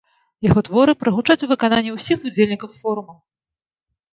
Яго творы прагучаць у выкананні ўсіх удзельнікаў форума.